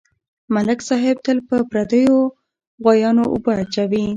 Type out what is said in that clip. ملک صاحب تل په پردیو غویانواوبه اچوي.